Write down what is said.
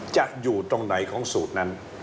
จะอยู่ตรงไหนของสูตรนั้น